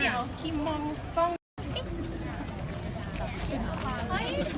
ลูกพ่อพ่ออีกแค่๓ฝั่ง